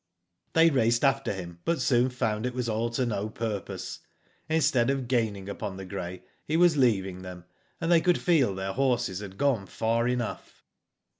They raced after him, but soon found it was all to no purpose. Instead of gaining upon the grey, he was leaving them, and they could feel their horses had gone far enough.